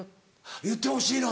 言ってほしいの？